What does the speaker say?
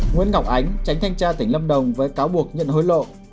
nguyễn ngọc ánh tránh thanh tra tỉnh lâm đồng với cáo buộc nhận hối lộ